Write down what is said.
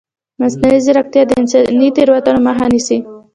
مصنوعي ځیرکتیا د انساني تېروتنو مخه نیسي.